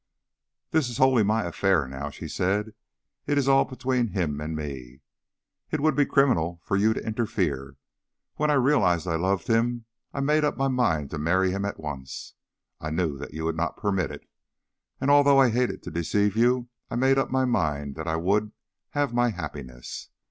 "This is wholly my affair now," she said. "It is all between him and me. It would be criminal for you to interfere. When I realised I loved him, I made up my mind to marry him at once. I knew that you would not permit it, and although I hated to deceive you, I made up my mind that I would have my happiness.